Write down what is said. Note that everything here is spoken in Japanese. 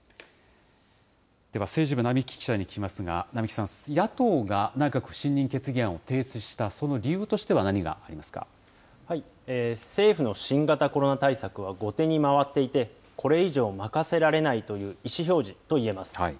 では政治部、並木記者に聞きますが、並木さん、野党が内閣不信任決議案を提出したその理由としては何があります政府の新型コロナ対策は後手に回っていて、これ以上任せられないという意思表示といえます。